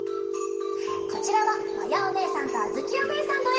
こちらはまやおねえさんとあづきおねえさんのえ！